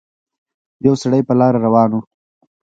يو سړی په لاره روان وو